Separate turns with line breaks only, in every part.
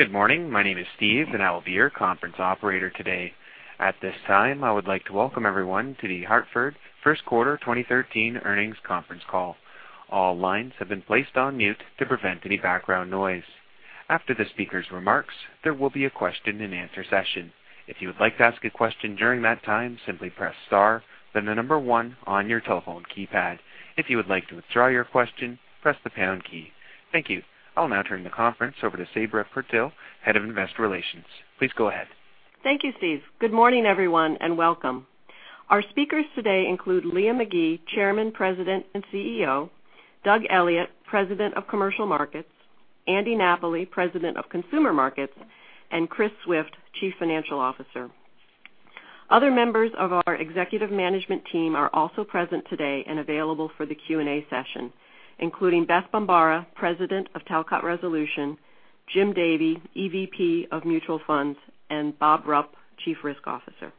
Good morning. My name is Steve, and I will be your conference operator today. At this time, I would like to welcome everyone to The Hartford first quarter 2013 earnings conference call. All lines have been placed on mute to prevent any background noise. After the speaker's remarks, there will be a question and answer session. If you would like to ask a question during that time, simply press star, then the number 1 on your telephone keypad. If you would like to withdraw your question, press the pound key. Thank you. I'll now turn the conference over to Sabra Purtill, Head of Investor Relations. Please go ahead.
Thank you, Steve. Good morning, everyone, and welcome. Our speakers today include Liam McGee, Chairman, President, and CEO; Doug Elliot, President of Commercial Markets; Andy Napoli, President of Consumer Markets; and Chris Swift, Chief Financial Officer. Other members of our executive management team are also present today and available for the Q&A session, including Beth Bombara, President of Talcott Resolution, Jim Davey, EVP of Mutual Funds, and Robert Rupp, Chief Risk Officer.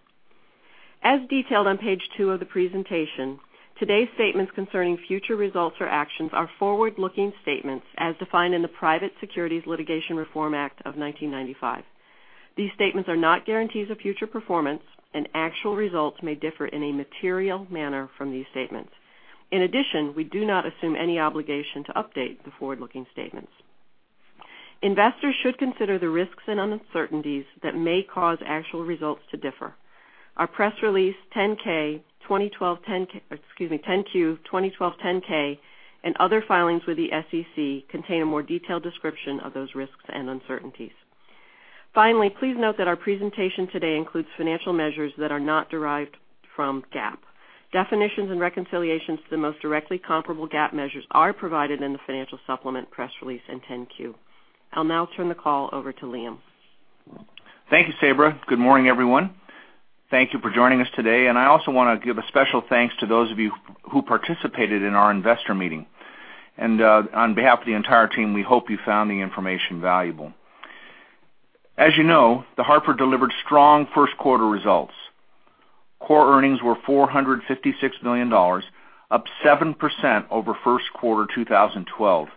As detailed on page two of the presentation, today's statements concerning future results or actions are forward-looking statements as defined in the Private Securities Litigation Reform Act of 1995. These statements are not guarantees of future performance, and actual results may differ in a material manner from these statements. In addition, we do not assume any obligation to update the forward-looking statements. Investors should consider the risks and uncertainties that may cause actual results to differ. Our press release, 10-K, 10-Q, 2012 10-K, and other filings with the SEC contain a more detailed description of those risks and uncertainties. Finally, please note that our presentation today includes financial measures that are not derived from GAAP. Definitions and reconciliations to the most directly comparable GAAP measures are provided in the financial supplement press release and 10-Q. I'll now turn the call over to Liam.
Thank you, Sabra. Good morning, everyone. Thank you for joining us today. I also want to give a special thanks to those of you who participated in our investor meeting. On behalf of the entire team, we hope you found the information valuable. As you know, The Hartford delivered strong first quarter results. Core earnings were $456 million, up 7% over first quarter 2012.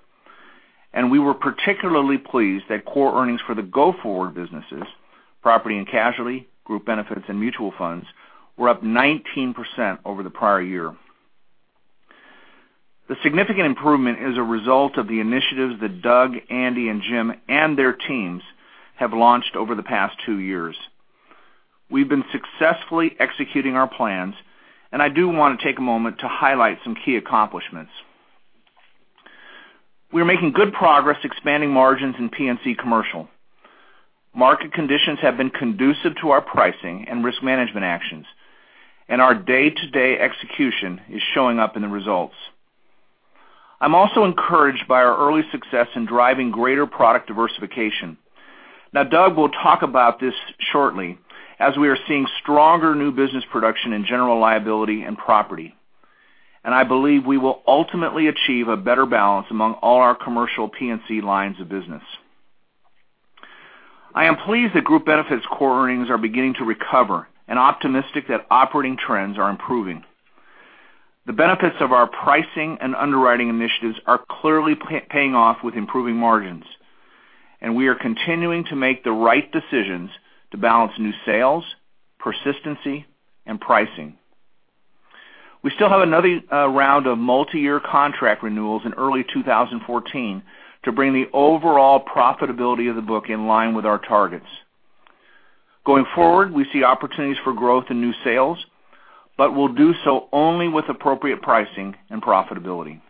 We were particularly pleased that core earnings for the go-forward businesses, property and casualty, group benefits, and mutual funds, were up 19% over the prior year. The significant improvement is a result of the initiatives that Doug, Andy, and Jim, and their teams have launched over the past two years. We've been successfully executing our plans, I do want to take a moment to highlight some key accomplishments. We are making good progress expanding margins in P&C commercial. Market conditions have been conducive to our pricing and risk management actions, our day-to-day execution is showing up in the results. I'm also encouraged by our early success in driving greater product diversification. Doug will talk about this shortly, as we are seeing stronger new business production in general liability and property. I believe we will ultimately achieve a better balance among all our commercial P&C lines of business. I am pleased that group benefits core earnings are beginning to recover and optimistic that operating trends are improving. The benefits of our pricing and underwriting initiatives are clearly paying off with improving margins, and we are continuing to make the right decisions to balance new sales, persistency, and pricing. We still have another round of multiyear contract renewals in early 2014 to bring the overall profitability of the book in line with our targets. Going forward, we see opportunities for growth in new sales, but we'll do so only with appropriate pricing and profitability.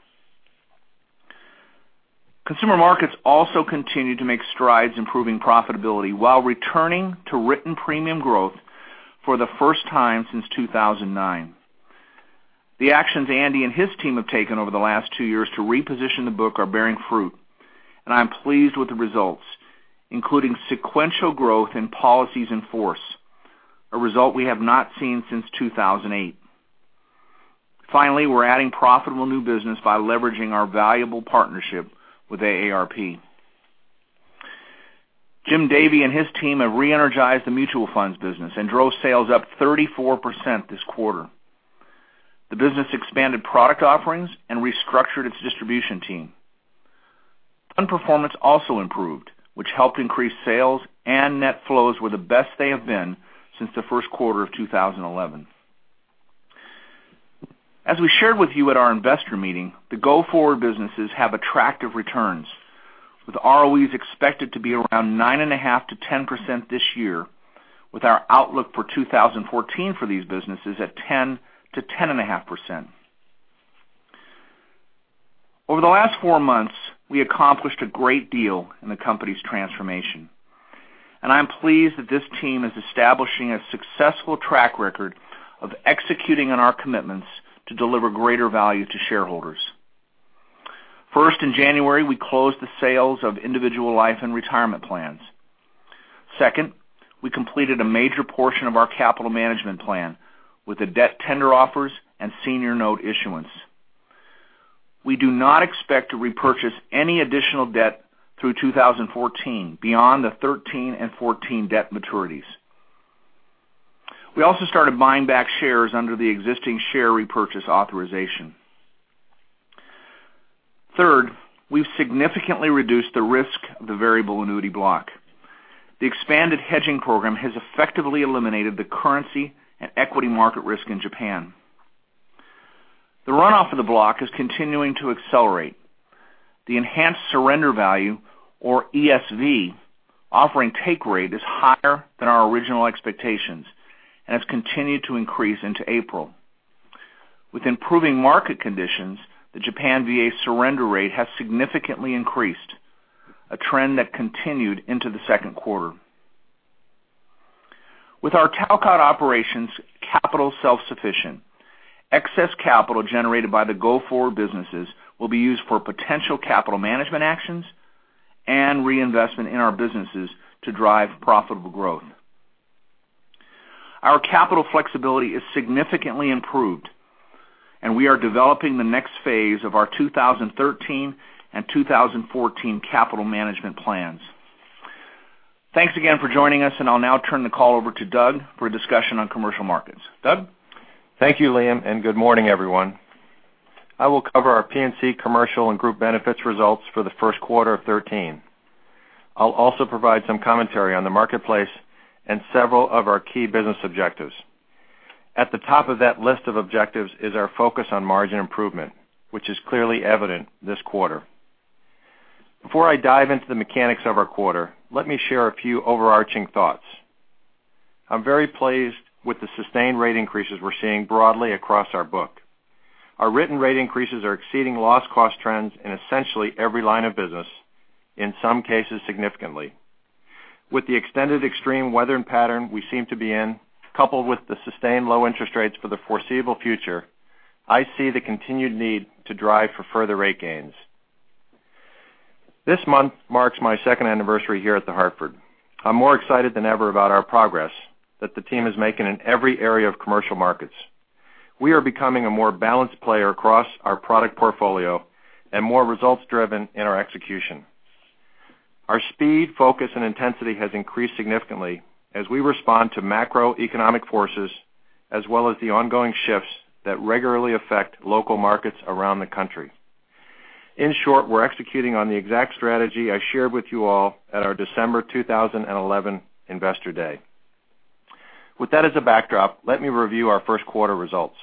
Consumer markets also continue to make strides improving profitability while returning to written premium growth for the first time since 2009. The actions Andy and his team have taken over the last two years to reposition the book are bearing fruit, and I'm pleased with the results, including sequential growth in policies in force, a result we have not seen since 2008. Finally, we're adding profitable new business by leveraging our valuable partnership with AARP. Jim Davey and his team have re-energized the mutual funds business and drove sales up 34% this quarter. The business expanded product offerings and restructured its distribution team. Fund performance also improved, which helped increase sales, and net flows were the best they have been since the first quarter of 2011. As we shared with you at our investor meeting, the go-forward businesses have attractive returns, with ROEs expected to be around 9.5%-10% this year, with our outlook for 2014 for these businesses at 10%-10.5%. Over the last four months, we accomplished a great deal in the company's transformation. I'm pleased that this team is establishing a successful track record of executing on our commitments to deliver greater value to shareholders. First, in January, we closed the sales of individual life and retirement plans. Second, we completed a major portion of our capital management plan with the debt tender offers and senior note issuance. We do not expect to repurchase any additional debt through 2014 beyond the 2013 and 2014 debt maturities. We also started buying back shares under the existing share repurchase authorization. Third, we've significantly reduced the risk of the variable annuity block. The expanded hedging program has effectively eliminated the currency and equity market risk in Japan. The runoff of the block is continuing to accelerate. The enhanced surrender value, or ESV, offering take rate is higher than our original expectations and has continued to increase into April. With improving market conditions, the Japan VA surrender rate has significantly increased, a trend that continued into the second quarter. With our Talcott operations capital self-sufficient, excess capital generated by the go-forward businesses will be used for potential capital management actions and reinvestment in our businesses to drive profitable growth. Our capital flexibility is significantly improved, we are developing the next phase of our 2013 and 2014 capital management plans. Thanks again for joining us, I'll now turn the call over to Doug for a discussion on commercial markets. Doug?
Thank you, Liam, and good morning, everyone. I will cover our P&C commercial and group benefits results for the first quarter of 2013. I'll also provide some commentary on the marketplace and several of our key business objectives. At the top of that list of objectives is our focus on margin improvement, which is clearly evident this quarter. Before I dive into the mechanics of our quarter, let me share a few overarching thoughts. I'm very pleased with the sustained rate increases we're seeing broadly across our book. Our written rate increases are exceeding loss cost trends in essentially every line of business, in some cases significantly. With the extended extreme weather pattern we seem to be in, coupled with the sustained low interest rates for the foreseeable future, I see the continued need to drive for further rate gains. This month marks my second anniversary here at The Hartford. I'm more excited than ever about our progress that the team is making in every area of commercial markets. We are becoming a more balanced player across our product portfolio and more results-driven in our execution. Our speed, focus, and intensity has increased significantly as we respond to macroeconomic forces, as well as the ongoing shifts that regularly affect local markets around the country. In short, we're executing on the exact strategy I shared with you all at our December 2011 Investor Day. With that as a backdrop, let me review our first quarter results.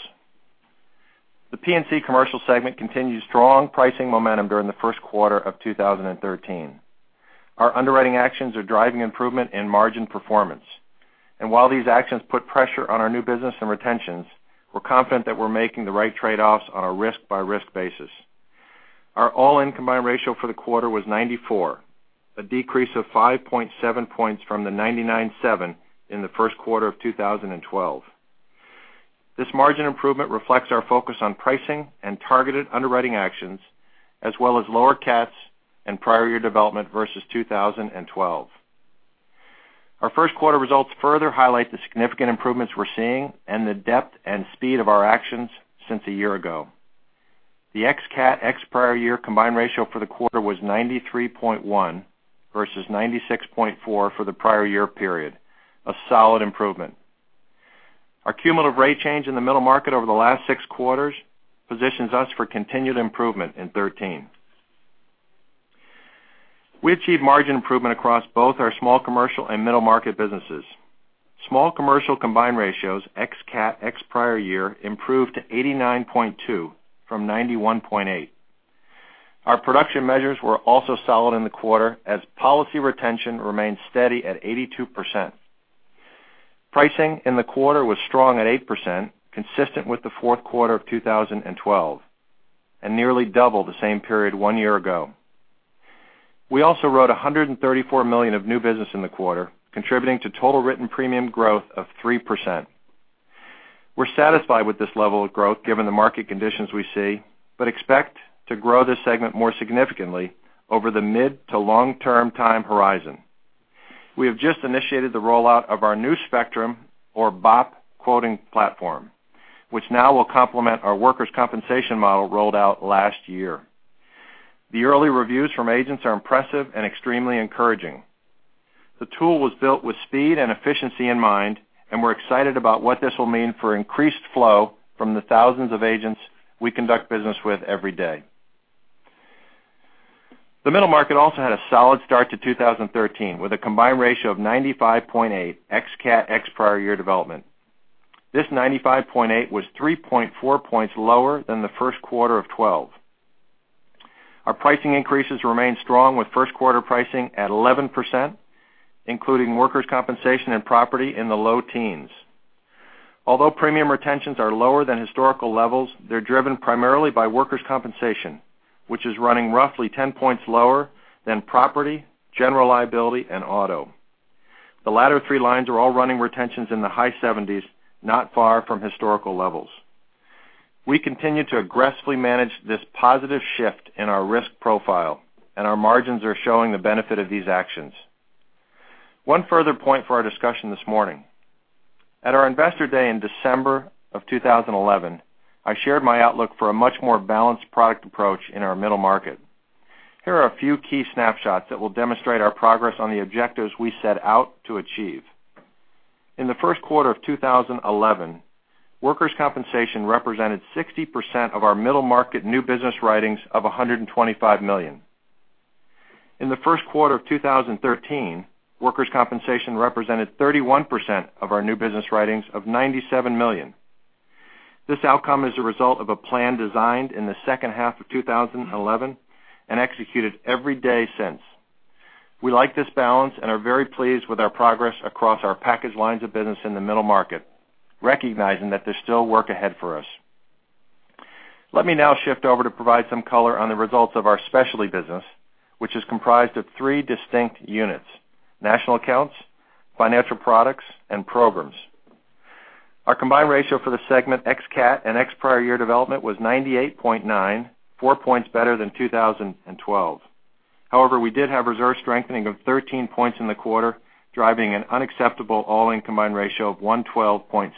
The P&C commercial segment continued strong pricing momentum during the first quarter of 2013. Our underwriting actions are driving improvement in margin performance. While these actions put pressure on our new business and retentions, we're confident that we're making the right trade-offs on a risk-by-risk basis. Our all-in combined ratio for the quarter was 94, a decrease of 5.7 points from the 99.7 in the first quarter of 2012. This margin improvement reflects our focus on pricing and targeted underwriting actions, as well as lower CATs and prior year development versus 2012. Our first quarter results further highlight the significant improvements we're seeing and the depth and speed of our actions since a year ago. The ex CAT, ex prior year combined ratio for the quarter was 93.1 versus 96.4 for the prior year period, a solid improvement. Our cumulative rate change in the middle market over the last six quarters positions us for continued improvement in 2013. We achieved margin improvement across both our small commercial and middle market businesses. Small commercial combined ratios, ex CAT, ex prior year improved to 89.2 from 91.8. Our production measures were also solid in the quarter as policy retention remained steady at 82%. Pricing in the quarter was strong at 8%, consistent with the fourth quarter of 2012, and nearly double the same period one year ago. We also wrote $134 million of new business in the quarter, contributing to total written premium growth of 3%. We're satisfied with this level of growth given the market conditions we see, but expect to grow this segment more significantly over the mid to long-term time horizon. We have just initiated the rollout of our new Spectrum or BOP quoting platform, which now will complement our workers' compensation model rolled out last year. The early reviews from agents are impressive and extremely encouraging. The tool was built with speed and efficiency in mind, and we're excited about what this will mean for increased flow from the thousands of agents we conduct business with every day. The middle market also had a solid start to 2013 with a combined ratio of 95.8 ex CAT, ex prior year development. This 95.8 was 3.4 points lower than the first quarter of 2012. Our pricing increases remain strong with first quarter pricing at 11%, including workers' compensation and property in the low teens. Although premium retentions are lower than historical levels, they're driven primarily by workers' compensation, which is running roughly 10 points lower than property, general liability, and auto. The latter three lines are all running retentions in the high 70s, not far from historical levels. We continue to aggressively manage this positive shift in our risk profile, and our margins are showing the benefit of these actions. One further point for our discussion this morning. At our Investor Day in December of 2011, I shared my outlook for a much more balanced product approach in our middle market. Here are a few key snapshots that will demonstrate our progress on the objectives we set out to achieve. In the first quarter of 2011, workers' compensation represented 60% of our middle market new business writings of $125 million. In the first quarter of 2013, workers' compensation represented 31% of our new business writings of $97 million. This outcome is a result of a plan designed in the second half of 2011 and executed every day since. We like this balance and are very pleased with our progress across our package lines of business in the middle market, recognizing that there's still work ahead for us. Let me now shift over to provide some color on the results of our specialty business, which is comprised of three distinct units, national accounts, financial products, and programs. Our combined ratio for the segment, ex CAT and ex prior year development, was 98.9, four points better than 2012. However, we did have reserve strengthening of 13 points in the quarter, driving an unacceptable all-in combined ratio of 112.6.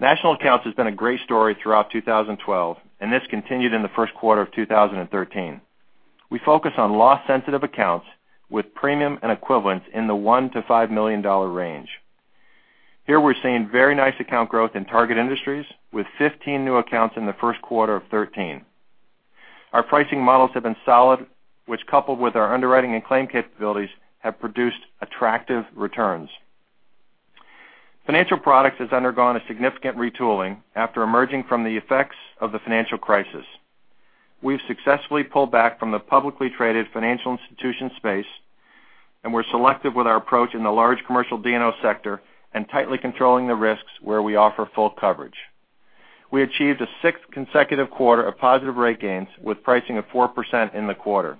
National accounts has been a great story throughout 2012, and this continued in the first quarter of 2013. We focus on loss sensitive accounts with premium and equivalents in the $1 million-$5 million range. Here, we're seeing very nice account growth in target industries with 15 new accounts in the first quarter of 2013. Our pricing models have been solid, which coupled with our underwriting and claim capabilities, have produced attractive returns. Financial products has undergone a significant retooling after emerging from the effects of the financial crisis. We've successfully pulled back from the publicly traded financial institution space, and we're selective with our approach in the large commercial D&O sector and tightly controlling the risks where we offer full coverage. We achieved a sixth consecutive quarter of positive rate gains with pricing of 4% in the quarter.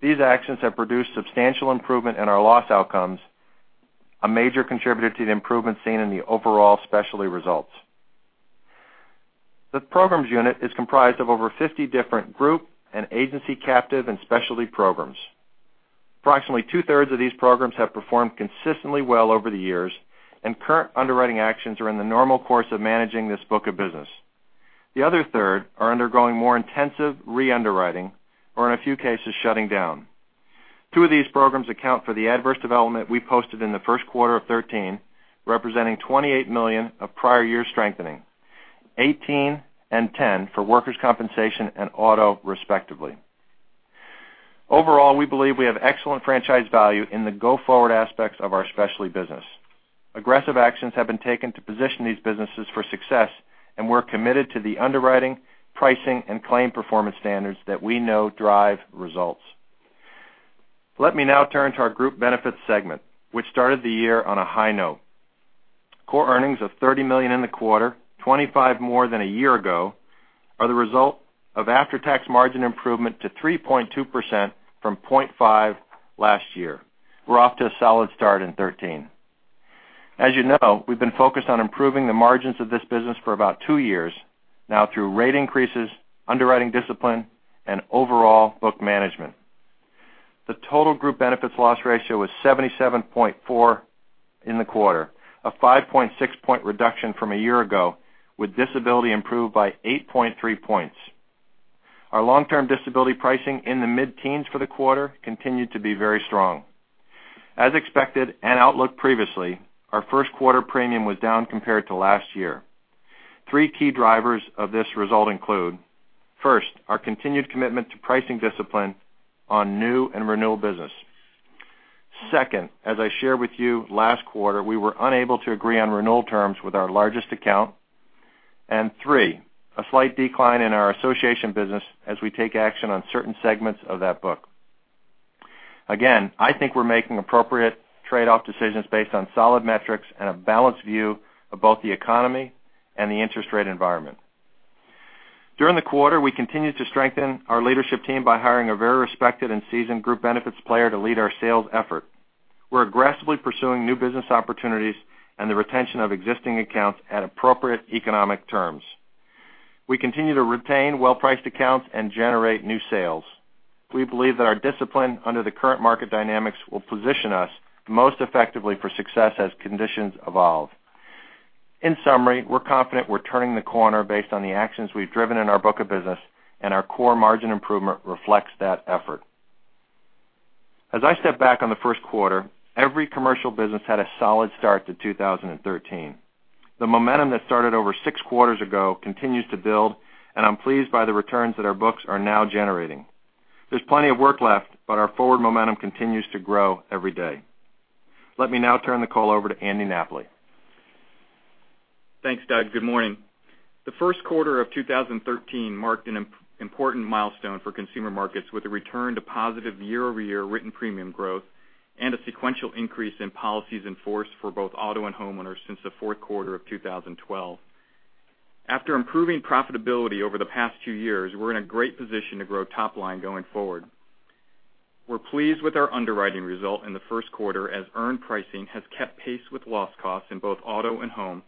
These actions have produced substantial improvement in our loss outcomes, a major contributor to the improvements seen in the overall specialty results. The programs unit is comprised of over 50 different group and agency captive and specialty programs. Approximately two-thirds of these programs have performed consistently well over the years, and current underwriting actions are in the normal course of managing this book of business. The other third are undergoing more intensive re-underwriting or in a few cases, shutting down. Two of these programs account for the adverse development we posted in the first quarter of 2013, representing $28 million of prior year strengthening, $18 and $10 for workers' compensation and auto respectively. Overall, we believe we have excellent franchise value in the go forward aspects of our specialty business. Aggressive actions have been taken to position these businesses for success, and we're committed to the underwriting, pricing, and claim performance standards that we know drive results. Let me now turn to our Group Benefits segment, which started the year on a high note. Core earnings of $30 million in the quarter, $25 more than a year ago, are the result of after-tax margin improvement to 3.2% from 0.5% last year. We're off to a solid start in 2013. As you know, we've been focused on improving the margins of this business for about two years now through rate increases, underwriting discipline, and overall book management. The total Group Benefits loss ratio was 77.4% in the quarter, a 5.6 point reduction from a year ago, with disability improved by 8.3 points. Our long-term disability pricing in the mid-teens for the quarter continued to be very strong. As expected and outlook previously, our first quarter premium was down compared to last year. Three key drivers of this result include, first, our continued commitment to pricing discipline on new and renewal business. Second, as I shared with you last quarter, we were unable to agree on renewal terms with our largest account. Three, a slight decline in our association business as we take action on certain segments of that book. Again, I think we're making appropriate trade-off decisions based on solid metrics and a balanced view of both the economy and the interest rate environment. During the quarter, we continued to strengthen our leadership team by hiring a very respected and seasoned Group Benefits player to lead our sales effort. We're aggressively pursuing new business opportunities and the retention of existing accounts at appropriate economic terms. We continue to retain well-priced accounts and generate new sales. We believe that our discipline under the current market dynamics will position us most effectively for success as conditions evolve. In summary, we're confident we're turning the corner based on the actions we've driven in our book of business, and our core margin improvement reflects that effort. As I step back on the first quarter, every commercial business had a solid start to 2013. The momentum that started over six quarters ago continues to build, and I'm pleased by the returns that our books are now generating. There's plenty of work left, but our forward momentum continues to grow every day. Let me now turn the call over to Andy Napoli.
Thanks, Doug. Good morning. The first quarter of 2013 marked an important milestone for consumer markets with a return to positive year-over-year written premium growth and a sequential increase in policies in force for both auto and homeowners since the fourth quarter of 2012. After improving profitability over the past two years, we're in a great position to grow top line going forward. We're pleased with our underwriting result in the first quarter, as earned pricing has kept pace with loss costs in both auto and home,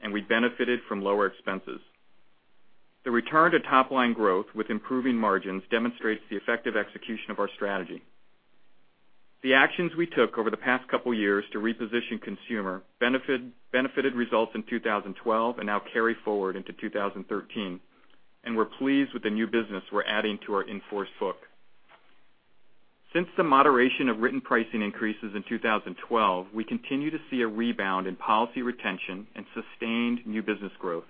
and we benefited from lower expenses. The return to top line growth with improving margins demonstrates the effective execution of our strategy. The actions we took over the past couple of years to reposition consumer benefited results in 2012 and now carry forward into 2013. We're pleased with the new business we're adding to our in-force book. Since the moderation of written pricing increases in 2012, we continue to see a rebound in policy retention and sustained new business growth.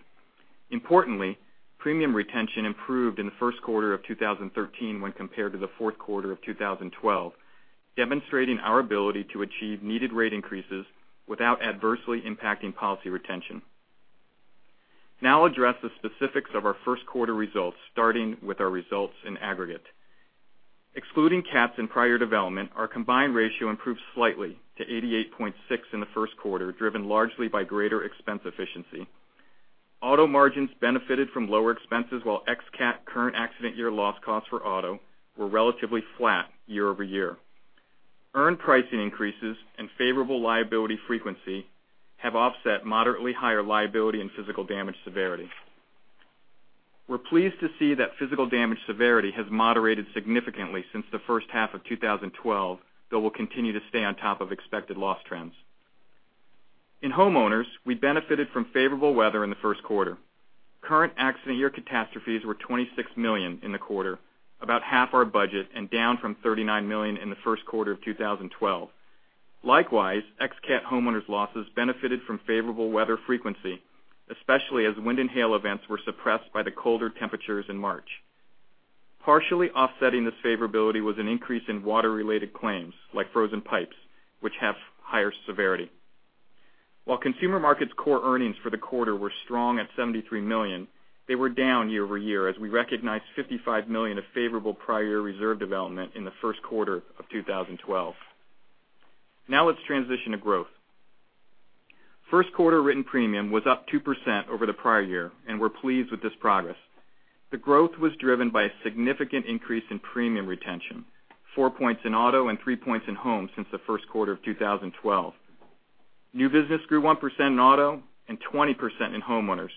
Importantly, premium retention improved in the first quarter of 2013 when compared to the fourth quarter of 2012, demonstrating our ability to achieve needed rate increases without adversely impacting policy retention. Now I'll address the specifics of our first quarter results, starting with our results in aggregate. Excluding cats and prior development, our combined ratio improved slightly to 88.6 in the first quarter, driven largely by greater expense efficiency. Auto margins benefited from lower expenses, while ex CAT current accident year loss costs for auto were relatively flat year-over-year. Earned pricing increases and favorable liability frequency have offset moderately higher liability and physical damage severity. We're pleased to see that physical damage severity has moderated significantly since the first half of 2012, though we'll continue to stay on top of expected loss trends. In homeowners, we benefited from favorable weather in the first quarter. Current accident year catastrophes were $26 million in the quarter, about half our budget, and down from $39 million in the first quarter of 2012. Likewise, ex-cat homeowners' losses benefited from favorable weather frequency, especially as wind and hail events were suppressed by the colder temperatures in March. Partially offsetting this favorability was an increase in water-related claims, like frozen pipes, which have higher severity. While consumer markets' core earnings for the quarter were strong at $73 million, they were down year-over-year as we recognized $55 million of favorable prior year reserve development in the first quarter of 2012. Now let's transition to growth. First quarter written premium was up 2% over the prior year. We're pleased with this progress. The growth was driven by a significant increase in premium retention, four points in auto and three points in home since the first quarter of 2012. New business grew 1% in auto and 20% in homeowners,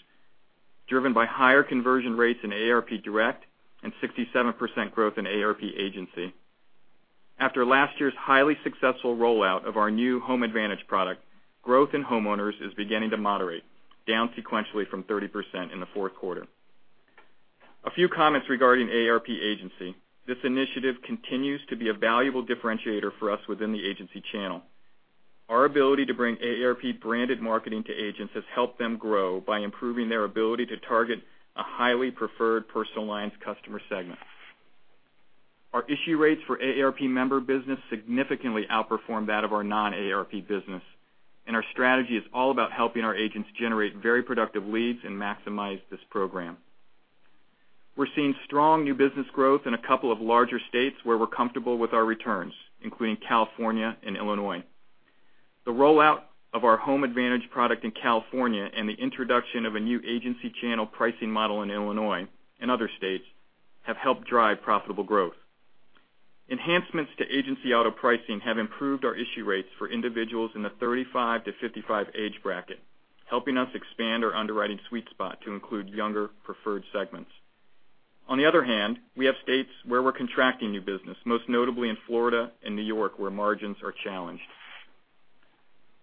driven by higher conversion rates in AARP Direct and 67% growth in AARP Agency. After last year's highly successful rollout of our new Home Advantage product, growth in homeowners is beginning to moderate, down sequentially from 30% in the fourth quarter. A few comments regarding AARP Agency. This initiative continues to be a valuable differentiator for us within the agency channel. Our ability to bring AARP-branded marketing to agents has helped them grow by improving their ability to target a highly preferred personal lines customer segment. Our issue rates for AARP member business significantly outperformed that of our non-AARP business. Our strategy is all about helping our agents generate very productive leads and maximize this program. We're seeing strong new business growth in a couple of larger states where we're comfortable with our returns, including California and Illinois. The rollout of our Home Advantage product in California and the introduction of a new agency channel pricing model in Illinois and other states have helped drive profitable growth. Enhancements to agency auto pricing have improved our issue rates for individuals in the 35-55 age bracket, helping us expand our underwriting sweet spot to include younger preferred segments. On the other hand, we have states where we're contracting new business, most notably in Florida and New York, where margins are challenged.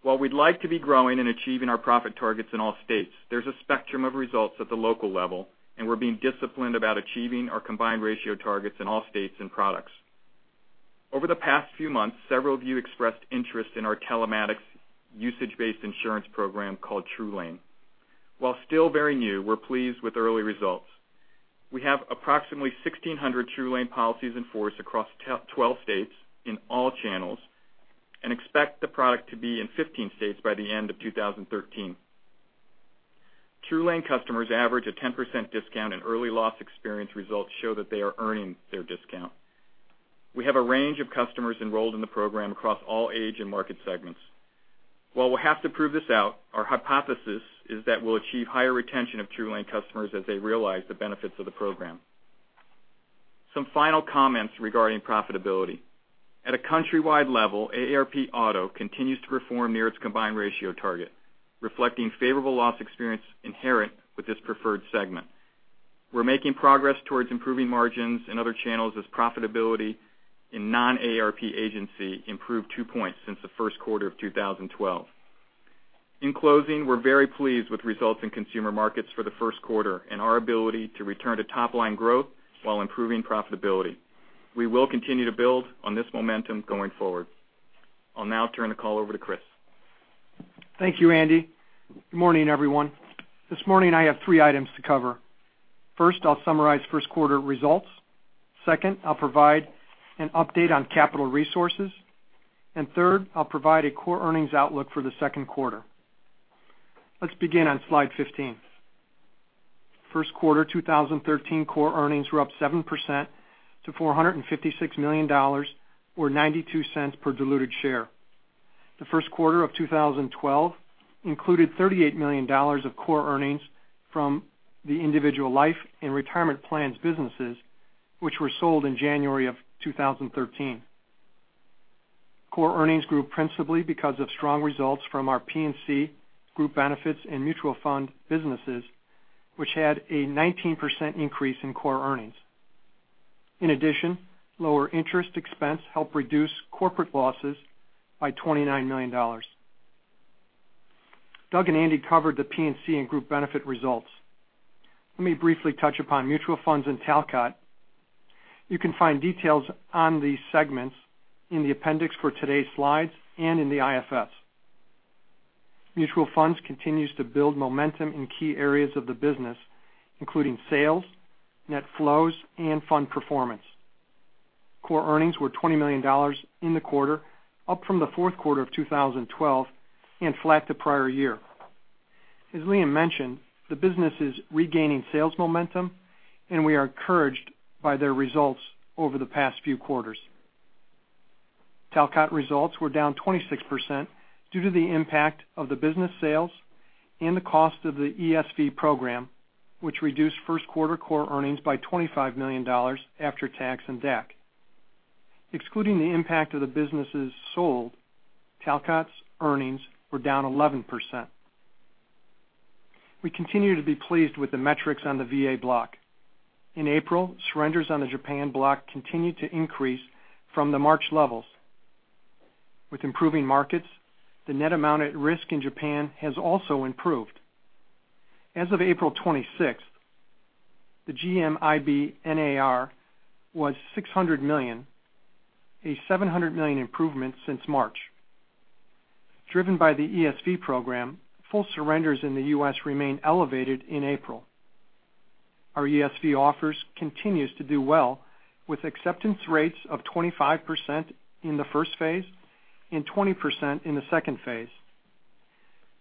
While we'd like to be growing and achieving our profit targets in all states, there's a spectrum of results at the local level. We're being disciplined about achieving our combined ratio targets in all states and products. Over the past few months, several of you expressed interest in our telematics usage-based insurance program called TrueLane. While still very new, we're pleased with early results. We have approximately 1,600 TrueLane policies in force across 12 states in all channels and expect the product to be in 15 states by the end of 2013. TrueLane customers average a 10% discount, and early loss experience results show that they are earning their discount. We have a range of customers enrolled in the program across all age and market segments. While we'll have to prove this out, our hypothesis is that we'll achieve higher retention of TrueLane customers as they realize the benefits of the program. Some final comments regarding profitability. At a countrywide level, AARP Auto continues to perform near its combined ratio target, reflecting favorable loss experience inherent with this preferred segment. We're making progress towards improving margins in other channels as profitability in non-AARP agency improved two points since the first quarter of 2012. In closing, we're very pleased with results in consumer markets for the first quarter and our ability to return to top-line growth while improving profitability. We will continue to build on this momentum going forward. I'll now turn the call over to Chris Swift.
Thank you, Andy Napoli. Good morning, everyone. This morning, I have three items to cover. First, I'll summarize first quarter results. Second, I'll provide an update on capital resources. Third, I'll provide a core earnings outlook for the second quarter. Let's begin on slide 15. First quarter 2013 core earnings were up 7% to $456 million, or $0.92 per diluted share. The first quarter of 2012 included $38 million of core earnings from the Individual Life and Retirement Plans businesses, which were sold in January of 2013. Core earnings grew principally because of strong results from our P&C group benefits and Mutual Funds businesses, which had a 19% increase in core earnings. In addition, lower interest expense helped reduce corporate losses by $29 million. Doug Elliot and Andy Napoli covered the P&C and group benefit results. Let me briefly touch upon mutual funds and Talcott. You can find details on these segments in the appendix for today's slides and in the IFS. Mutual funds continues to build momentum in key areas of the business, including sales, net flows, and fund performance. Core earnings were $20 million in the quarter, up from the fourth quarter of 2012 and flat the prior year. As Liam mentioned, the business is regaining sales momentum, and we are encouraged by their results over the past few quarters. Talcott results were down 26% due to the impact of the business sales and the cost of the ESV program, which reduced first quarter core earnings by $25 million after tax and DAC. Excluding the impact of the businesses sold, Talcott's earnings were down 11%. We continue to be pleased with the metrics on the VA block. In April, surrenders on the Japan block continued to increase from the March levels. With improving markets, the net amount at risk in Japan has also improved. As of April 26th, the GMIB NAR was $600 million, a $700 million improvement since March. Driven by the ESV program, full surrenders in the U.S. remained elevated in April. Our ESV offers continues to do well, with acceptance rates of 25% in the first phase and 20% in the second phase.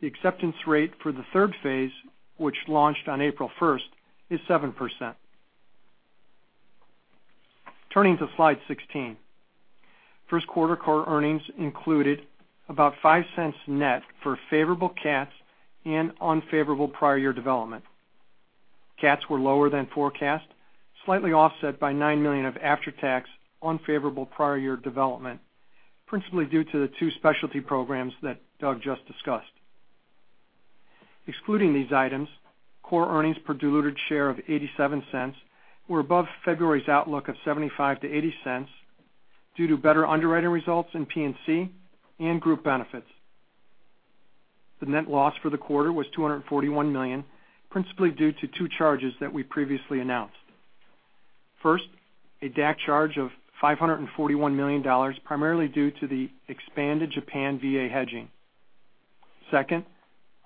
The acceptance rate for the third phase, which launched on April 1st, is 7%. Turning to slide 16. First quarter core earnings included about $0.05 net for favorable CATs and unfavorable prior year development. CATs were lower than forecast, slightly offset by $9 million of after-tax unfavorable prior year development, principally due to the two specialty programs that Doug just discussed. Excluding these items, core earnings per diluted share of $0.87 were above February's outlook of $0.75-$0.80 due to better underwriting results in P&C and group benefits. The net loss for the quarter was $241 million, principally due to two charges that we previously announced. First, a DAC charge of $541 million, primarily due to the expanded Japan VA hedging. Second,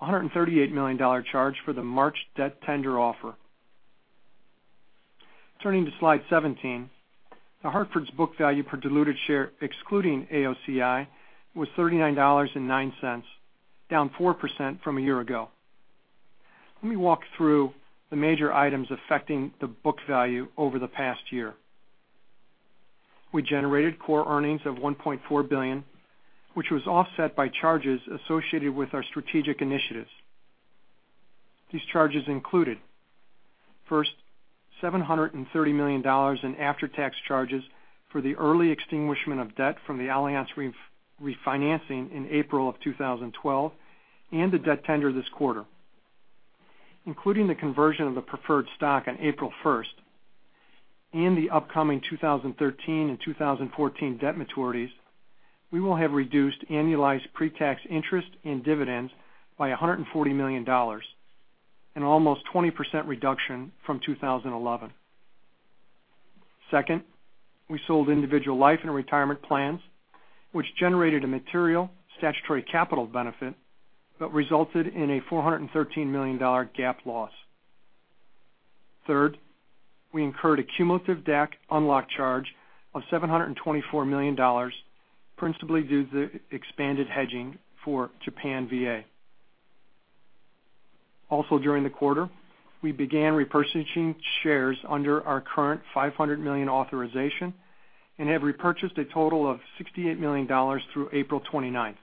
$138 million charge for the March debt tender offer. Turning to slide 17. The Hartford's book value per diluted share, excluding AOCI, was $39.09, down 4% from a year ago. Let me walk through the major items affecting the book value over the past year. We generated core earnings of $1.4 billion, which was offset by charges associated with our strategic initiatives. These charges included, first, $730 million in after-tax charges for the early extinguishment of debt from the Allianz refinancing in April of 2012 and the debt tender this quarter. Including the conversion of the preferred stock on April 1st and the upcoming 2013 and 2014 debt maturities, we will have reduced annualized pre-tax interest and dividends by $140 million, an almost 20% reduction from 2011. Second, we sold individual life and retirement plans, which generated a material statutory capital benefit but resulted in a $413 million GAAP loss. Third, we incurred a cumulative DAC unlock charge of $724 million, principally due to the expanded hedging for Japan VA. Also during the quarter, we began repurchasing shares under our current $500 million authorization and have repurchased a total of $68 million through April 29th.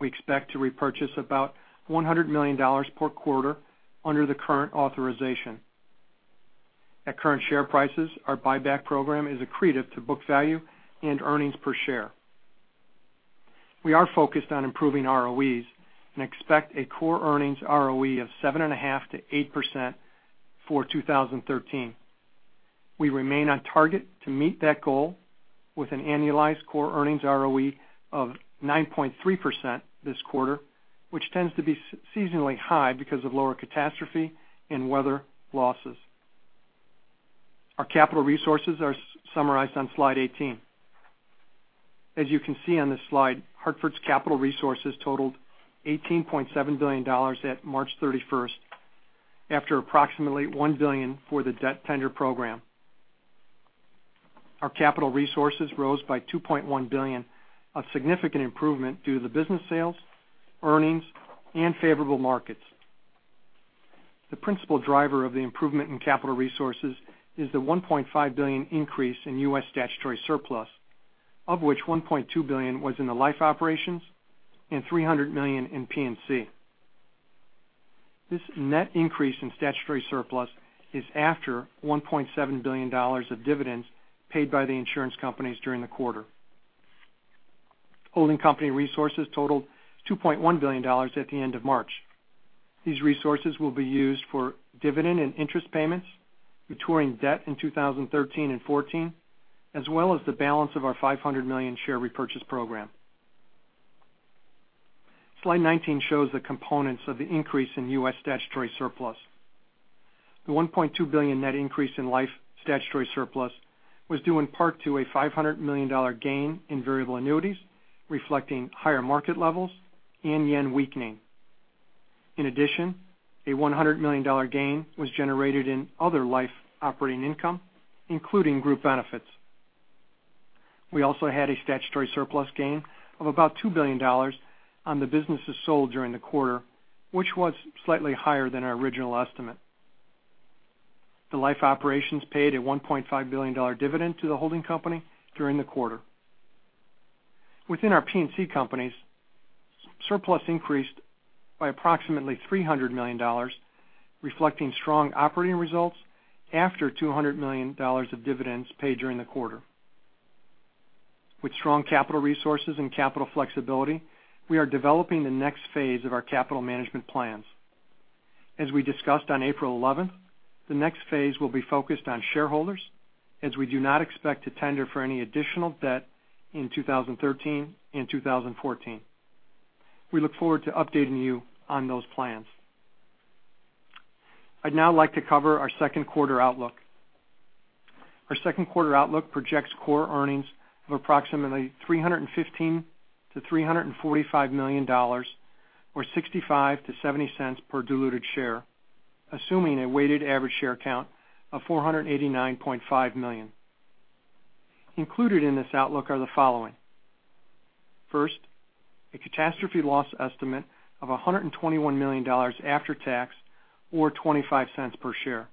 We expect to repurchase about $100 million per quarter under the current authorization. At current share prices, our buyback program is accretive to book value and earnings per share. We are focused on improving ROEs and expect a core earnings ROE of 7.5% to 8% for 2013. We remain on target to meet that goal with an annualized core earnings ROE of 9.3% this quarter, which tends to be seasonally high because of lower catastrophe and weather losses. Our capital resources are summarized on slide 18. As you can see on this slide, Hartford's capital resources totaled $18.7 billion at March 31st, after approximately $1 billion for the debt tender program. Our capital resources rose by $2.1 billion, a significant improvement due to the business sales, earnings, and favorable markets. The principal driver of the improvement in capital resources is the $1.5 billion increase in U.S. statutory surplus, of which $1.2 billion was in the life operations and $300 million in P&C. This net increase in statutory surplus is after $1.7 billion of dividends paid by the insurance companies during the quarter. Holding company resources totaled $2.1 billion at the end of March. These resources will be used for dividend and interest payments, maturing debt in 2013 and 2014, as well as the balance of our $500 million share repurchase program. Slide 19 shows the components of the increase in U.S. statutory surplus. The $1.2 billion net increase in life statutory surplus was due in part to a $500 million gain in variable annuities, reflecting higher market levels and yen weakening. In addition, a $100 million gain was generated in other life operating income, including group benefits. We also had a statutory surplus gain of about $2 billion on the businesses sold during the quarter, which was slightly higher than our original estimate. The life operations paid a $1.5 billion dividend to the holding company during the quarter. Within our P&C companies, surplus increased by approximately $300 million, reflecting strong operating results after $200 million of dividends paid during the quarter. With strong capital resources and capital flexibility, we are developing the next phase of our capital management plans. As we discussed on April 11th, the next phase will be focused on shareholders, as we do not expect to tender for any additional debt in 2013 and 2014. We look forward to updating you on those plans. I'd now like to cover our second quarter outlook. Our second quarter outlook projects core earnings of approximately $315 million-$345 million, or $0.65-$0.70 per diluted share, assuming a weighted average share count of 489.5 million. Included in this outlook are the following. First, a catastrophe loss estimate of $121 million after tax, or $0.25 per share.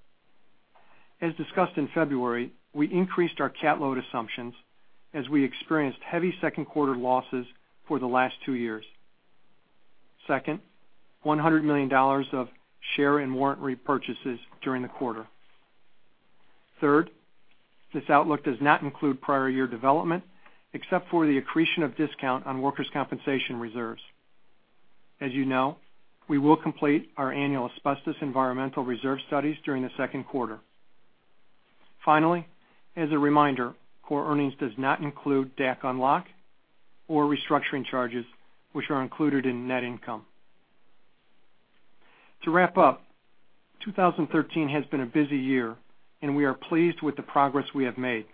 As discussed in February, we increased our cat load assumptions as we experienced heavy second quarter losses for the last two years. Second, $100 million of share and warrant repurchases during the quarter. Third, this outlook does not include prior year development, except for the accretion of discount on workers' compensation reserves. As you know, we will complete our annual asbestos environmental reserve studies during the second quarter. Finally, as a reminder, core earnings does not include DAC unlock or restructuring charges, which are included in net income. To wrap up, 2013 has been a busy year, and we are pleased with the progress we have made.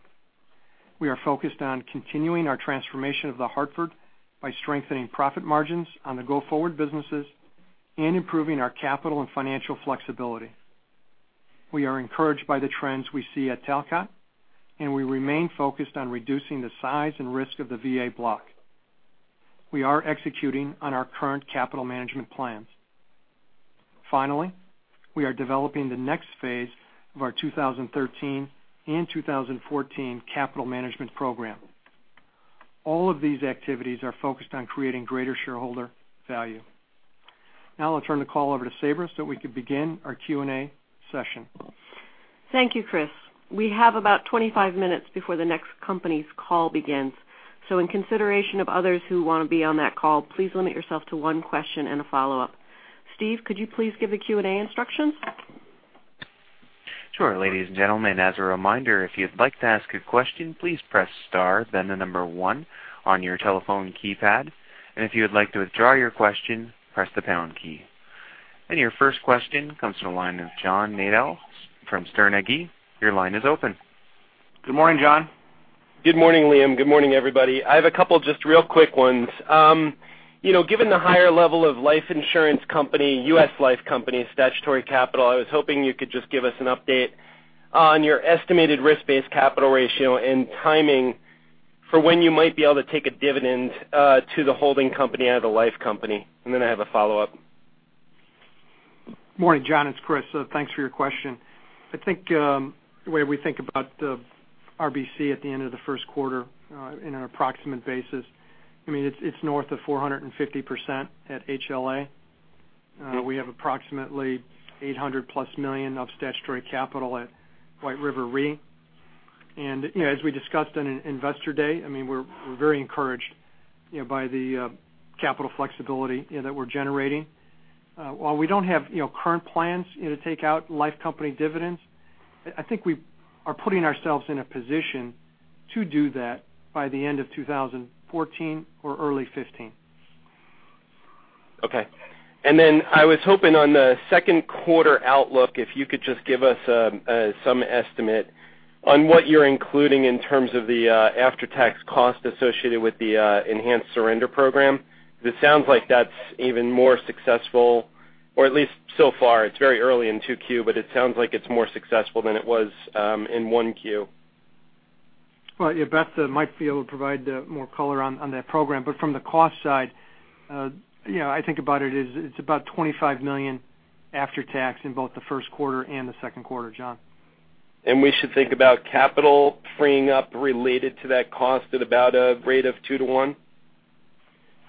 We are focused on continuing our transformation of The Hartford by strengthening profit margins on the go-forward businesses and improving our capital and financial flexibility. We are encouraged by the trends we see at Talcott, and we remain focused on reducing the size and risk of the VA block. We are executing on our current capital management plans. Finally, we are developing the next phase of our 2013 and 2014 capital management program. All of these activities are focused on creating greater shareholder value. Now I'll turn the call over to Sabra so we can begin our Q&A session.
Thank you, Chris. We have about 25 minutes before the next company's call begins. In consideration of others who want to be on that call, please limit yourself to one question and a follow-up. Steve, could you please give the Q&A instructions?
Sure, ladies and gentlemen. As a reminder, if you'd like to ask a question, please press star, then the number one on your telephone keypad, and if you would like to withdraw your question, press the pound key. Your first question comes from the line of John Nadel from Sterne Agee. Your line is open.
Good morning, John.
Good morning, Liam. Good morning, everybody. I have a couple just real quick ones. Given the higher level of life insurance company, U.S. life company statutory capital, I was hoping you could just give us an update on your estimated risk-based capital ratio and timing for when you might be able to take a dividend to the holding company out of the life company. I have a follow-up.
Morning, John. It's Chris. Thanks for your question. I think the way we think about the RBC at the end of the first quarter in an approximate basis, it's north of 450% at HLA. We have approximately $800-plus million of statutory capital at White River Re. As we discussed on Investor Day, we're very encouraged by the capital flexibility that we're generating. While we don't have current plans to take out life company dividends, I think we are putting ourselves in a position to do that by the end of 2014 or early 2015.
Okay. I was hoping on the second quarter outlook, if you could just give us some estimate on what you're including in terms of the after-tax cost associated with the enhanced surrender program. Because it sounds like that's even more successful, or at least so far. It's very early in Q2, but it sounds like it's more successful than it was in Q1.
Well, Beth might be able to provide more color on that program. From the cost side, I think about it's about $25 million after tax in both the first quarter and the second quarter, John.
We should think about capital freeing up related to that cost at about a rate of two to one?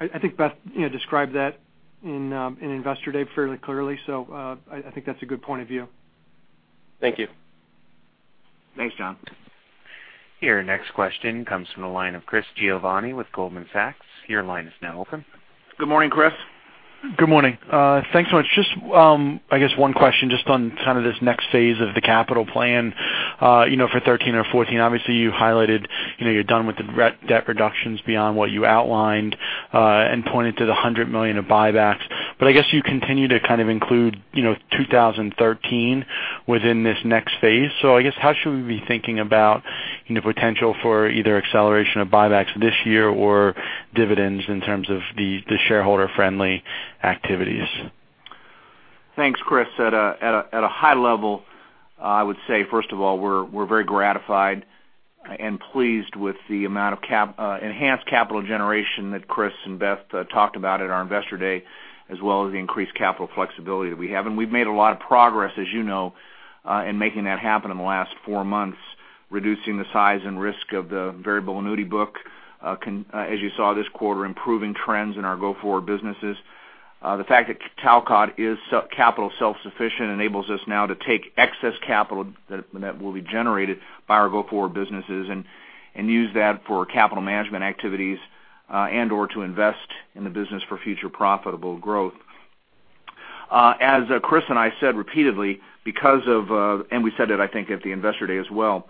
I think Beth described that in Investor Day fairly clearly. I think that's a good point of view.
Thank you.
Thanks, John.
Your next question comes from the line of Chris Giovanni with Goldman Sachs. Your line is now open.
Good morning, Chris.
I guess one question just on kind of this next phase of the capital plan, for 2013 or 2014. Obviously, you highlighted you're done with the debt reductions beyond what you outlined, and pointed to the $100 million of buybacks. I guess you continue to kind of include 2013 within this next phase. I guess, how should we be thinking about the potential for either acceleration of buybacks this year or dividends in terms of the shareholder-friendly activities?
Thanks, Chris. At a high level, I would say, first of all, we're very gratified and pleased with the amount of enhanced capital generation that Chris and Beth talked about at our investor day, as well as the increased capital flexibility that we have. We've made a lot of progress, as you know, in making that happen in the last four months, reducing the size and risk of the variable annuity book, as you saw this quarter, improving trends in our go-forward businesses. The fact that Talcott is capital self-sufficient enables us now to take excess capital that will be generated by our go-forward businesses and use that for capital management activities, and/or to invest in the business for future profitable growth. As Chris and I said repeatedly, we said it, I think, at the investor day as well,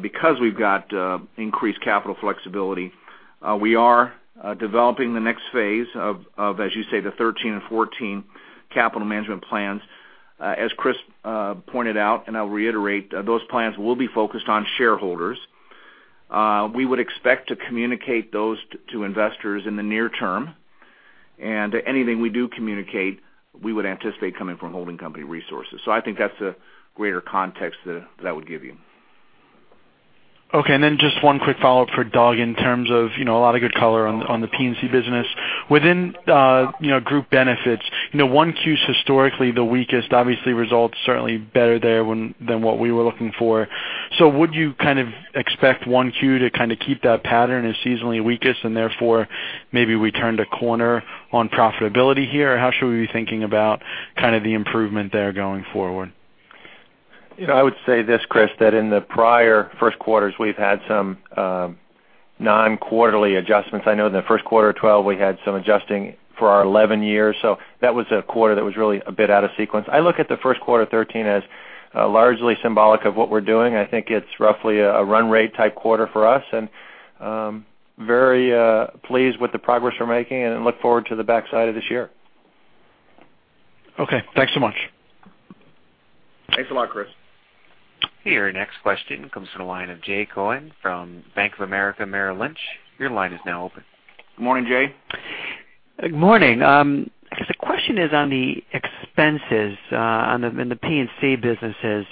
because we've got increased capital flexibility, we are developing the next phase of, as you say, the 2013 and 2014 capital management plans. As Chris pointed out, and I'll reiterate, those plans will be focused on shareholders. We would expect to communicate those to investors in the near term, and anything we do communicate, we would anticipate coming from holding company resources. I think that's the greater context that I would give you.
Okay, just one quick follow-up for Doug in terms of a lot of good color on the P&C business. Within group benefits, 1Q is historically the weakest. Obviously, results certainly better there than what we were looking for. Would you kind of expect 1Q to kind of keep that pattern as seasonally weakest and therefore maybe we turned a corner on profitability here? Or how should we be thinking about kind of the improvement there going forward?
I would say this, Chris, that in the prior first quarters, we've had some non-quarterly adjustments. I know in the first quarter 2012, we had some adjusting for our 2011 year. That was a quarter that was really a bit out of sequence. I look at the first quarter 2013 as largely symbolic of what we're doing. I think it's roughly a run rate type quarter for us, and very pleased with the progress we're making and look forward to the backside of this year.
Okay, thanks so much.
Thanks a lot, Chris.
Your next question comes from the line of Jay Cohen from Bank of America Merrill Lynch. Your line is now open.
Good morning, Jay.
Good morning. I guess the question is on the expenses in the P&C businesses.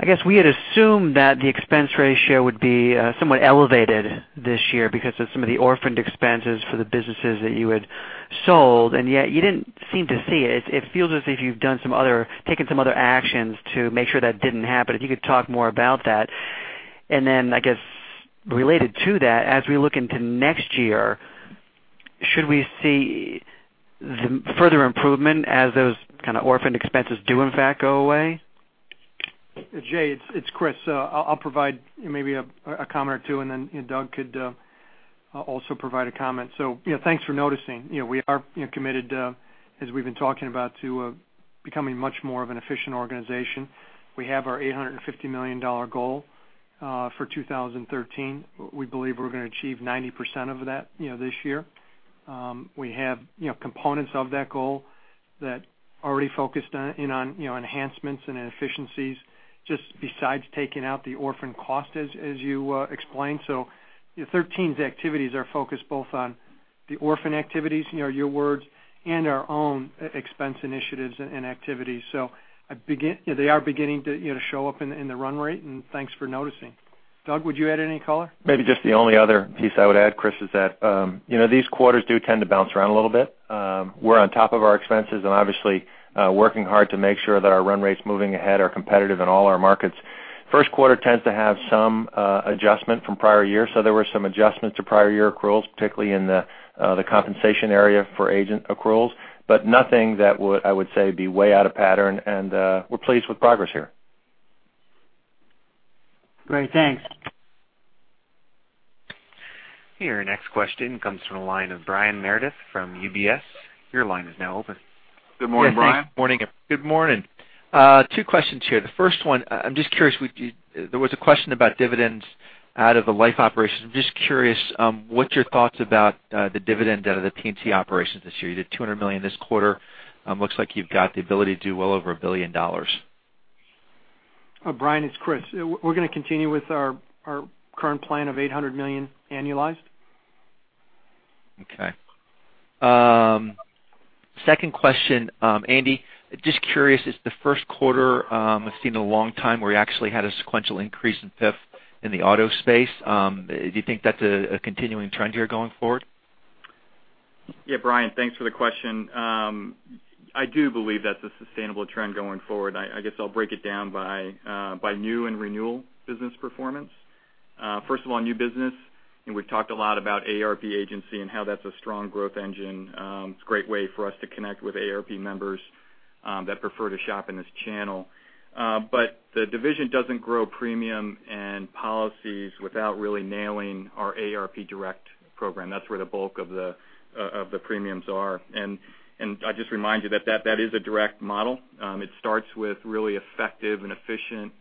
I guess we had assumed that the expense ratio would be somewhat elevated this year because of some of the orphaned expenses for the businesses that you had sold, yet you didn't seem to see it. It feels as if you've taken some other actions to make sure that didn't happen. If you could talk more about that. Then, I guess, related to that, as we look into next year, should we see further improvement as those kind of orphaned expenses do in fact go away?
Jay, it's Chris. I'll provide maybe a comment or two, then Doug could also provide a comment. Thanks for noticing. We are committed, as we've been talking about, to becoming much more of an efficient organization. We have our $850 million goal for 2013. We believe we're going to achieve 90% of that this year. We have components of that goal that already focused in on enhancements and efficiencies just besides taking out the orphan cost as you explained. 2013's activities are focused both on the orphan activities, your words, and our own expense initiatives and activities. They are beginning to show up in the run rate, and thanks for noticing. Doug, would you add any color?
Maybe just the only other piece I would add, Chris, is that these quarters do tend to bounce around a little bit. We're on top of our expenses and obviously working hard to make sure that our run rates moving ahead are competitive in all our markets. First quarter tends to have some adjustment from prior years. There were some adjustments to prior year accruals, particularly in the compensation area for agent accruals, but nothing that I would say would be way out of pattern, and we're pleased with progress here.
Great. Thanks.
Your next question comes from the line of Brian Meredith from UBS. Your line is now open.
Good morning, Brian.
Yeah, thanks. Good morning. Two questions here. The first one, I'm just curious. There was a question about dividends out of the life operations. I'm just curious, what's your thoughts about the dividend out of the P&C operations this year? You did $200 million this quarter. Looks like you've got the ability to do well over $1 billion.
Brian, it's Chris. We're going to continue with our current plan of $800 million annualized.
Okay. Second question. Andy, just curious, it's the first quarter we've seen in a long time where you actually had a sequential increase in PIF in the auto space. Do you think that's a continuing trend here going forward?
Yeah, Brian, thanks for the question. I do believe that is a sustainable trend going forward. I guess I'll break it down by new and renewal business performance. First of all, new business. We've talked a lot about AARP Agency and how that's a strong growth engine. It's a great way for us to connect with AARP members that prefer to shop in this channel. The division doesn't grow premium and policies without really nailing our AARP Direct program. That's where the bulk of the premiums are. I just remind you that is a direct model. It starts with really effective and efficient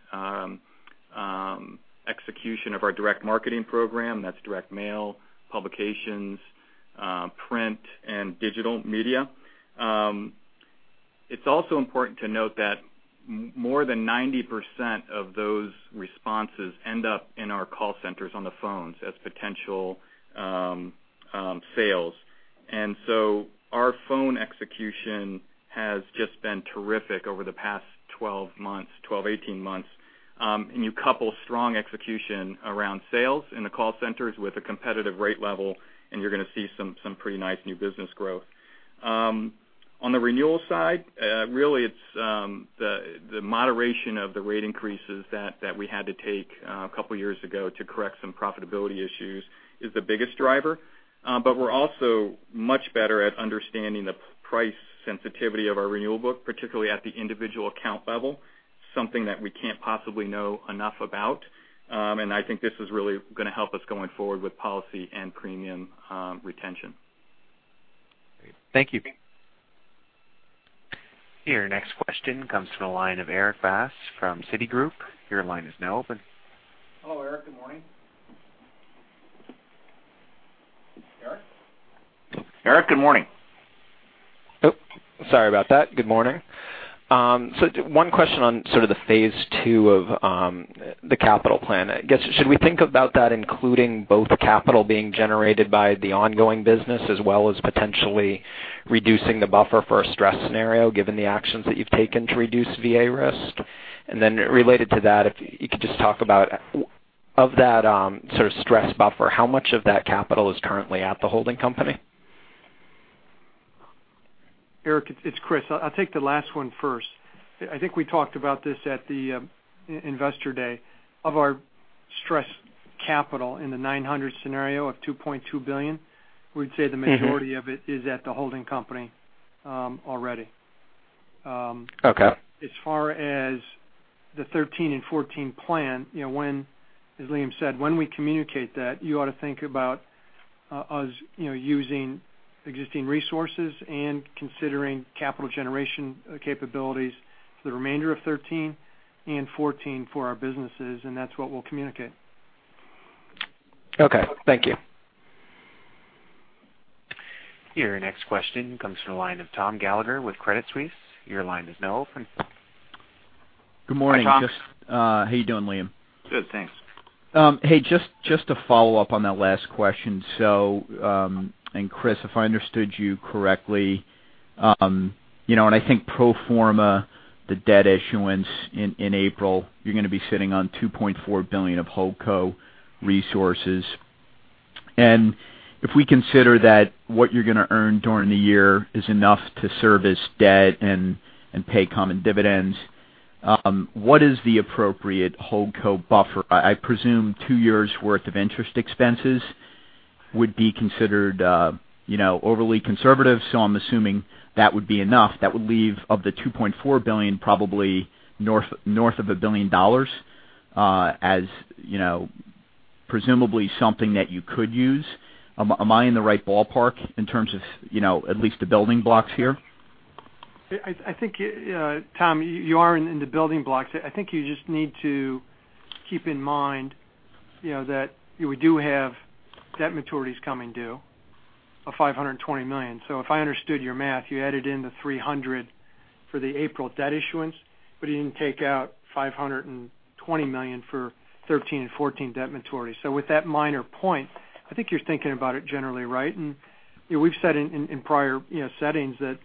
execution of our direct marketing program, that's direct mail, publications, print, and digital media. It's also important to note that more than 90% of those responses end up in our call centers on the phones as potential sales. Our phone execution has just been terrific over the past 12, 18 months. You couple strong execution around sales in the call centers with a competitive rate level, and you're going to see some pretty nice new business growth. On the renewal side, really it's the moderation of the rate increases that we had to take a couple of years ago to correct some profitability issues is the biggest driver. We're also much better at understanding the price sensitivity of our renewal book, particularly at the individual account level, something that we can't possibly know enough about. I think this is really going to help us going forward with policy and premium retention.
Thank you.
Your next question comes from the line of Erik Bass from Citigroup. Your line is now open.
Hello, Erik. Good morning. Erik? Erik, good morning.
Sorry about that. Good morning. One question on sort of the phase 2 of the capital plan. I guess, should we think about that including both capital being generated by the ongoing business, as well as potentially reducing the buffer for a stress scenario, given the actions that you've taken to reduce VA risk? Related to that, if you could just talk about, of that sort of stress buffer, how much of that capital is currently at the holding company?
Erik, it's Chris. I'll take the last one first. I think we talked about this at the Investor Day. Of our stress capital in the 900 scenario of $2.2 billion, we'd say the majority of it is at the holding company already.
Okay.
As far as the 2013 and 2014 plan, as Liam said, when we communicate that, you ought to think about us using existing resources and considering capital generation capabilities for the remainder of 2013 and 2014 for our businesses. That's what we'll communicate.
Okay. Thank you.
Your next question comes from the line of Tom Gallagher with Credit Suisse. Your line is now open.
Good morning.
Hi, Tom. How are you doing, Liam? Good, thanks.
Hey, just to follow up on that last question. Chris, if I understood you correctly, I think pro forma the debt issuance in April, you're going to be sitting on $2.4 billion of holdco resources. If we consider that what you're going to earn during the year is enough to service debt and pay common dividends, what is the appropriate holdco buffer? I presume two years’ worth of interest expenses would be considered overly conservative, I'm assuming that would be enough. That would leave of the $2.4 billion, probably north of a billion dollars, as presumably something that you could use. Am I in the right ballpark in terms of at least the building blocks here?
I think, Tom, you are in the building blocks. I think you just need to keep in mind that we do have debt maturities coming due of $520 million. If I understood your math, you added in the $300 for the April debt issuance, but you didn't take out $520 million for 2013 and 2014 debt maturity. With that minor point, I think you're thinking about it generally right. We've said in prior settings that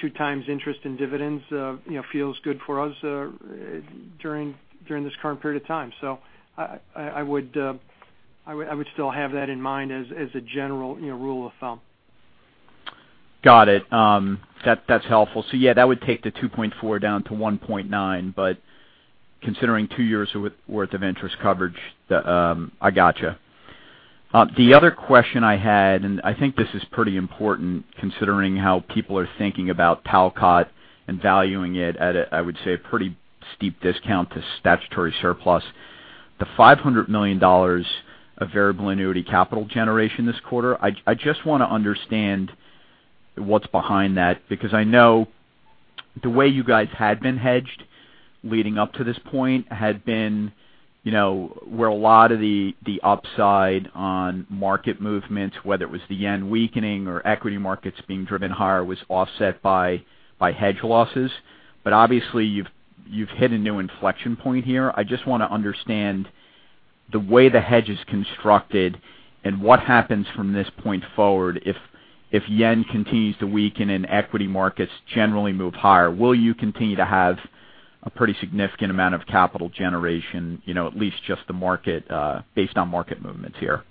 two times interest and dividends feels good for us during this current period of time. I would still have that in mind as a general rule of thumb.
Got it. That's helpful. Yeah, that would take the $2.4 down to $1.9, but considering two years worth of interest coverage, I got you. The other question I had, and I think this is pretty important considering how people are thinking about Talcott and valuing it at a, I would say, pretty steep discount to statutory surplus. The $500 million of variable annuity capital generation this quarter, I just want to understand what's behind that, because I know the way you guys had been hedged leading up to this point had been where a lot of the upside on market movements, whether it was the yen weakening or equity markets being driven higher, was offset by hedge losses. Obviously, you've hit a new inflection point here.
I just want to understand the way the hedge is constructed and what happens from this point forward if yen continues to weaken and equity markets generally move higher. Will you continue to have a pretty significant amount of capital generation, at least just based on market movements here?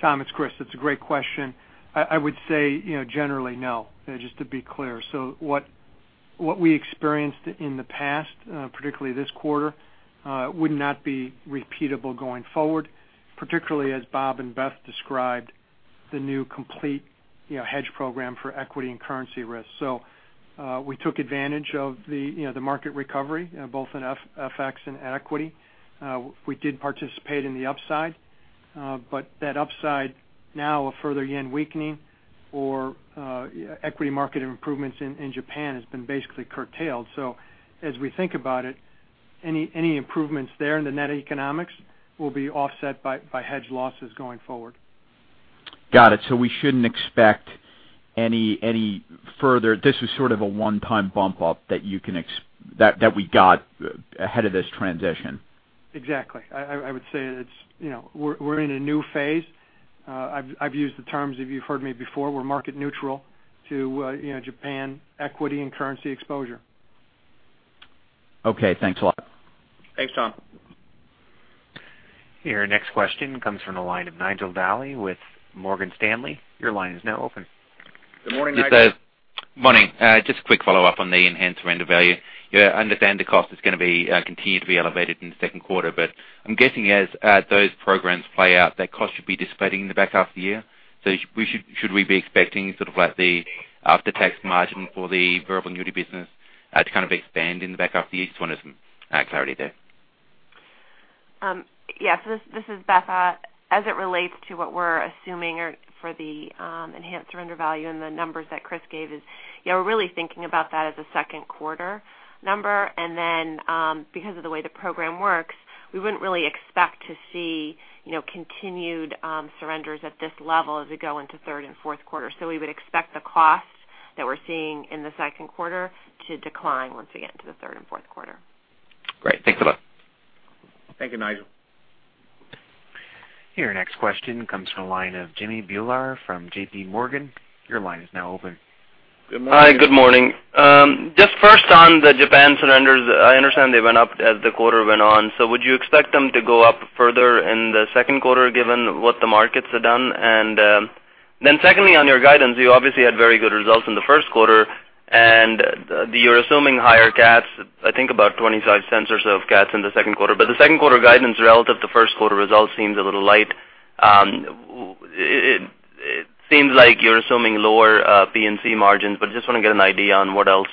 Tom, it's Chris. It's a great question. I would say, generally, no, just to be clear. What we experienced in the past, particularly this quarter, would not be repeatable going forward, particularly as Bob and Beth described the new complete hedge program for equity and currency risk. We took advantage of the market recovery, both in FX and equity. We did participate in the upside. That upside now, a further yen weakening or equity market improvements in Japan has been basically curtailed. As we think about it, any improvements there in the net economics will be offset by hedge losses going forward.
Got it. We shouldn't expect any further. This is sort of a one-time bump up that we got ahead of this transition.
Exactly. I would say that we're in a new phase. I've used the terms, if you've heard me before, we're market neutral to Japan equity and currency exposure.
Okay. Thanks a lot.
Thanks, Tom.
Your next question comes from the line of Nigel Dally with Morgan Stanley. Your line is now open.
Good morning, Nigel.
Good morning. Just a quick follow-up on the enhanced surrender value. I understand the cost is going to continue to be elevated in the second quarter, but I'm guessing as those programs play out, that cost should be dissipating in the back half of the year. Should we be expecting sort of like the after-tax margin for the variable annuity business to kind of expand in the back half of the year? Just wanted some clarity there.
Yes. This is Beth. As it relates to what we're assuming for the enhanced surrender value and the numbers that Chris gave is, we're really thinking about that as a second quarter number. Because of the way the program works, we wouldn't really expect to see continued surrenders at this level as we go into third and fourth quarter. We would expect the costs that we're seeing in the second quarter to decline once we get into the third and fourth quarter.
Great. Thanks a lot.
Thank you, Nigel.
Your next question comes from the line of Jimmy Bhullar from J.P. Morgan. Your line is now open.
Good morning.
Hi. Good morning. Just first on the Japan surrenders, I understand they went up as the quarter went on. Would you expect them to go up further in the second quarter given what the markets have done? Secondly, on your guidance, you obviously had very good results in the first quarter, and you're assuming higher CATs, I think, about $0.25 or so of CAT in the second quarter. The second quarter guidance relative to first quarter results seems a little light. It seems like you're assuming lower P&C margins, but just want to get an idea on what else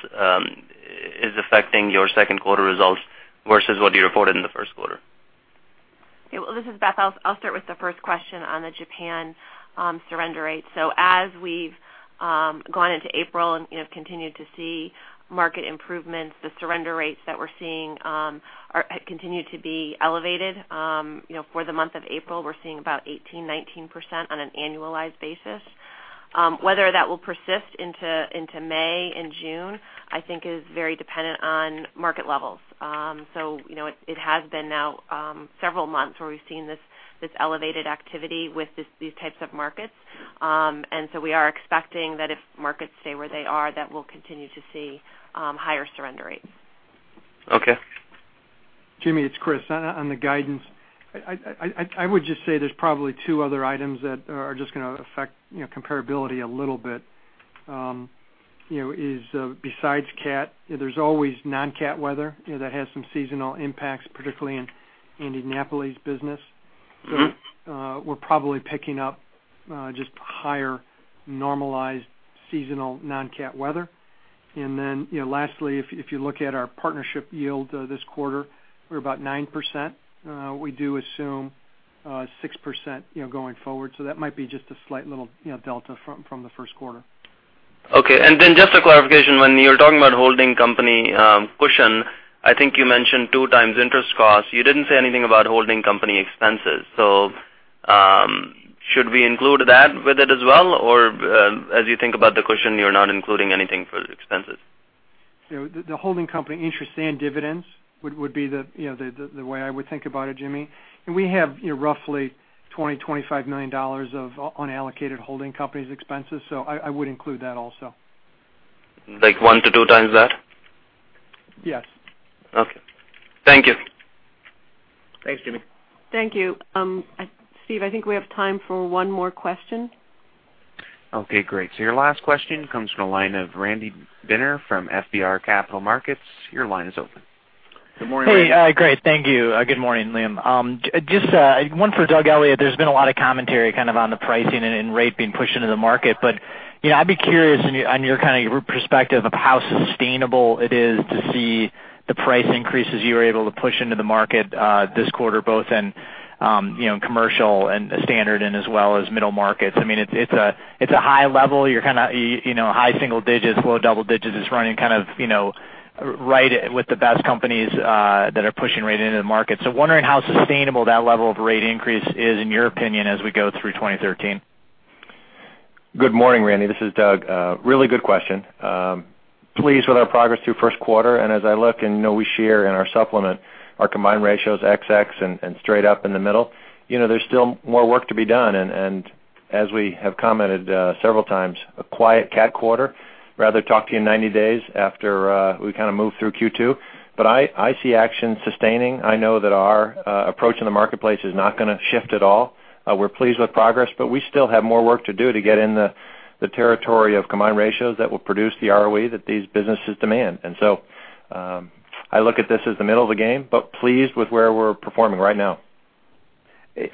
is affecting your second quarter results versus what you reported in the first quarter.
Yeah. This is Beth. I'll start with the first question on the Japan surrender rate. As we've gone into April and continued to see market improvements, the surrender rates that we're seeing continue to be elevated. For the month of April, we're seeing about 18%-19% on an annualized basis. Whether that will persist into May and June, I think is very dependent on market levels. It has been now several months where we've seen this elevated activity with these types of markets. We are expecting that if markets stay where they are, that we'll continue to see higher surrender rates.
Okay.
Jimmy, it's Chris. On the guidance, I would just say there's probably two other items that are just going to affect comparability a little bit. Besides CAT, there's always non-CAT weather that has some seasonal impacts, particularly in Indianapolis business. We're probably picking up just higher normalized seasonal non-CAT weather. Lastly, if you look at our partnership yield this quarter, we're about 9%. We do assume 6% going forward. That might be just a slight little delta from the first quarter.
Okay. Just a clarification, when you were talking about holding company cushion, I think you mentioned two times interest costs. You didn't say anything about holding company expenses. Should we include that with it as well? As you think about the cushion, you're not including anything for expenses?
The holding company interest and dividends would be the way I would think about it, Jimmy. We have roughly $20 million-$25 million of unallocated holding company expenses. I would include that also.
Like one to two times that?
Yes.
Okay. Thank you.
Thanks, Jimmy.
Thank you. Steve, I think we have time for one more question.
Okay, great. Your last question comes from the line of Randy Binner from FBR Capital Markets. Your line is open.
Good morning, Randy.
Hey, great. Thank you. Good morning, Liam. Just one for Doug Elliot. There's been a lot of commentary kind of on the pricing and rate being pushed into the market. I'd be curious on your kind of perspective of how sustainable it is to see the price increases you were able to push into the market this quarter, both in commercial and standard and as well as middle markets. I mean, it's a high level. You're kind of high single digits, low double digits. It's running kind of right with the best companies that are pushing right into the market. Wondering how sustainable that level of rate increase is in your opinion as we go through 2013.
Good morning, Randy. This is Doug. Really good question. Pleased with our progress through first quarter, and as I look and we share in our supplement our combined ratios, XX and straight up in the middle. There's still more work to be done, and as we have commented several times, a quiet CAT quarter. Rather talk to you in 90 days after we kind of move through Q2. I see action sustaining. I know that our approach in the marketplace is not going to shift at all. We're pleased with progress, but we still have more work to do to get in the territory of combined ratios that will produce the ROE that these businesses demand. I look at this as the middle of the game, but pleased with where we're performing right now.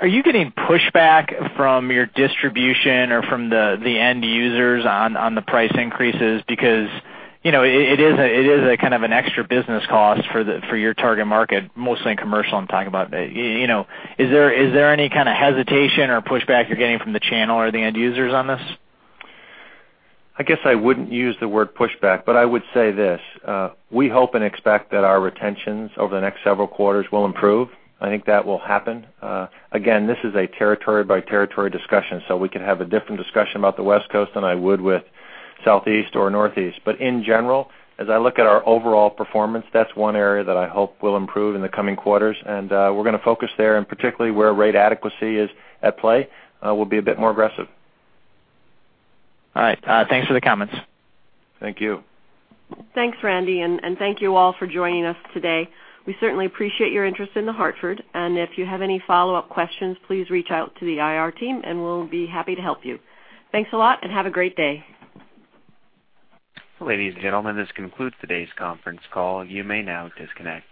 Are you getting pushback from your distribution or from the end users on the price increases? Because it is a kind of an extra business cost for your target market, mostly in commercial, I'm talking about. Is there any kind of hesitation or pushback you're getting from the channel or the end users on this?
I guess I wouldn't use the word pushback, but I would say this. We hope and expect that our retentions over the next several quarters will improve. I think that will happen. Again, this is a territory by territory discussion, so we could have a different discussion about the West Coast than I would with Southeast or Northeast. In general, as I look at our overall performance, that's one area that I hope will improve in the coming quarters, and we're going to focus there, and particularly where rate adequacy is at play, we'll be a bit more aggressive.
All right. Thanks for the comments.
Thank you.
Thanks, Randy, and thank you all for joining us today. We certainly appreciate your interest in The Hartford, and if you have any follow-up questions, please reach out to the IR team, and we'll be happy to help you. Thanks a lot, and have a great day.
Ladies and gentlemen, this concludes today's conference call. You may now disconnect.